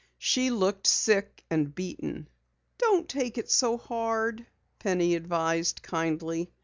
She looked sick and beaten. "Don't take it so hard," Penny advised kindly.